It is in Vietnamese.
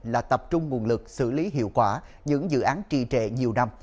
là tập trung nguồn lực xử lý hiệu quả những dự án trì trệ nhiều năm